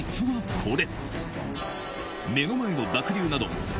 これ。